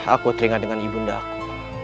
aku teringat dengan ibundaku